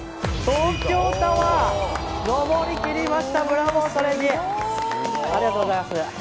東京タワー上りきりましたブラボートレンディーありがとうございます